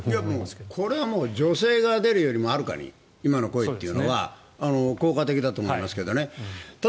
これは女性が出るよりもはるかに今の声というのは効果的だと思いますが。